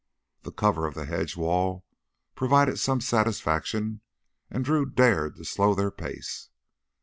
The cover of the hedge wall provided some satisfaction and Drew dared to slow their pace.